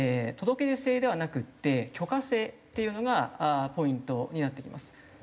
届け出制ではなくって許可制っていうのがポイントになってきます。